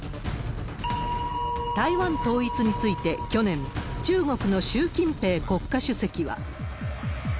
台湾統一について、去年、中国の習近平国家主席は。